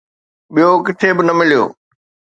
ٻيو ڪٿي به نه مليو.